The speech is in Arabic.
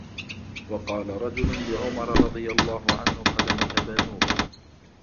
وَقَالَ رَجُلٌ لِعُمَرَ رَضِيَ اللَّهُ عَنْهُ خَدَمَك بَنُوك